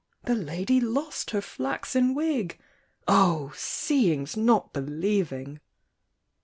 The lady lost her flaxen wig! Oh! seeing's not believing!